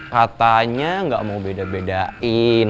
katanya nggak mau beda bedain